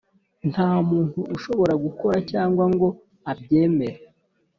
Nta muntu ushobora gukora cyangwa ngo abyemere